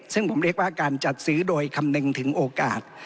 ซึ่งผมเรียกว่าการจัดซื้อโดยคำนึงถึงโอกาส